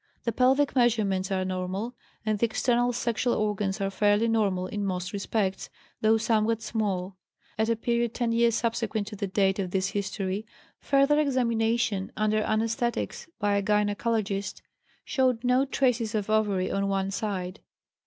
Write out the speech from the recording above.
The pelvic measurements are normal, and the external sexual organs are fairly normal in most respects, though somewhat small. At a period ten years subsequent to the date of this history, further examination, under anesthetics, by a gynecologist, showed no traces of ovary on one side.